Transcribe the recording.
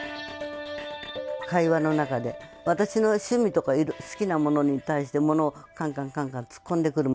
会話の中で、私の趣味とか、好きなものに対してものをかんかんかんかん突っ込んでくる。